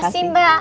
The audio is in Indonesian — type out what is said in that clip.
terima kasih mbak